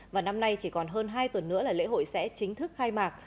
và năm nay chỉ còn hơn hai tuần nữa là lễ hội sẽ chính thức khai mạc